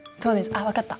あっ分かった。